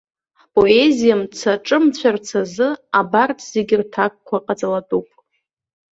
Ҳпоезиа-мца ҿымцәарц азы, абарҭ зегьы рҭакқәа ҟаҵалатәуп.